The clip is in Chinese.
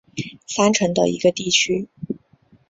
三城的一个地区。